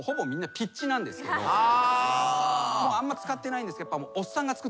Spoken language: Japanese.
あんま使ってないんですけど。